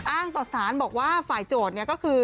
ต่อสารบอกว่าฝ่ายโจทย์เนี่ยก็คือ